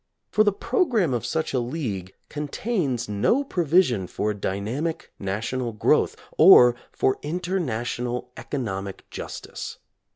For the pro gramme of such a League contains no provision for dynamic national growth or for international economic justice.